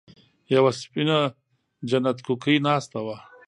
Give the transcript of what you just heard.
يوه سپينه جنت کوکۍ ناسته وه.